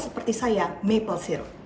atau seperti saya maple syrup